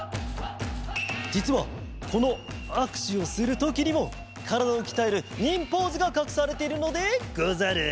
じつはこのあくしゅをするときにもからだをきたえる忍ポーズがかくされているのでござる。